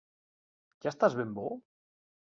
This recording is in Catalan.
Ja estàs ben bo?